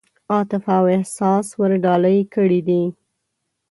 عاطفه او احساس ورډالۍ کړي دي.